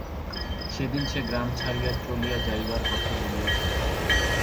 সেদিন সে গ্রাম ছাড়িয়া চলিয়া যাইবার কথা বলিয়াছিল।